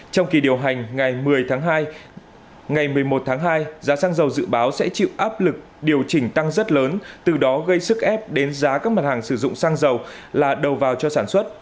trong kỳ điều hành ngày một mươi một tháng hai giá xăng dầu dự báo sẽ chịu áp lực điều chỉnh tăng rất lớn từ đó gây sức ép đến giá các mặt hàng sử dụng xăng dầu là đầu vào cho sản xuất